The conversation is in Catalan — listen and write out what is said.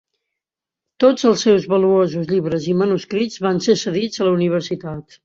Tots els seus valuosos llibres i manuscrits van ser cedits a la universitat.